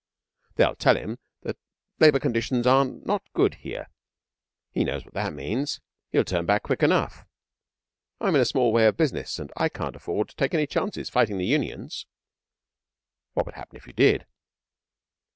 'They'll tell him that labour conditions are not good here. He knows what that means. He'll turn back quick enough. I'm in a small way of business, and I can't afford to take any chances fighting the Unions.' 'What would happen if you did?'